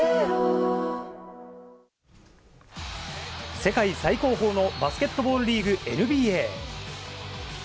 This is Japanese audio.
世界最高峰のバスケットボールリーグＮＢＡ。